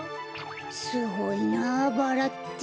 すごいなバラって。